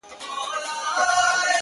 • خداى پاماني كومه.